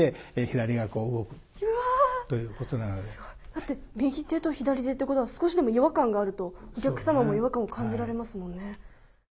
だって右手と左手ってことは少しでも違和感があるとお客様も違和感を感じられますもんね。